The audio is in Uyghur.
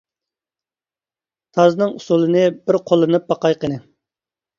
تازنىڭ ئۇسۇلىنى بىر قوللىنىپ باقاي قىنى.